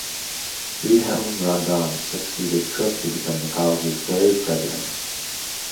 Friedhelm Radandt succeeded Cook to become the college's third president.